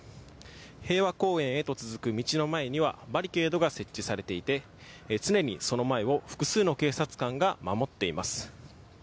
平和公園へと続く道の前にはバリケードが設置されていて常にその前を複数の警察官が守っています。